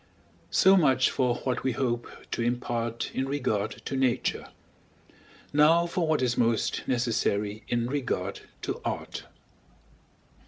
So much for what we hope to impart in regard to Nature; now for what is most necessary in regard to Art.